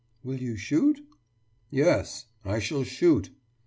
»Will you shoot?« »Yes, I shall shoot.